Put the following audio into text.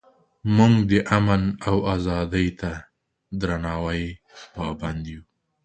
موږ د امن او ازادۍ ته درناوي پابند یو.